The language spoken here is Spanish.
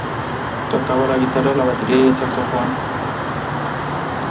Tocaba la guitarra, la batería y el saxofón.